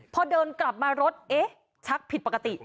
พอเดินกลับมารถเอ๊ะชักผิดปกติ